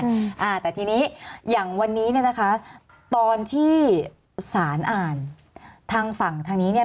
อ่าแต่ทีนี้อย่างวันนี้เนี่ยนะคะตอนที่สารอ่านทางฝั่งทางนี้เนี่ย